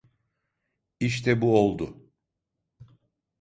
İşte bu oldu.